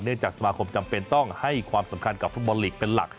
จากสมาคมจำเป็นต้องให้ความสำคัญกับฟุตบอลลีกเป็นหลัก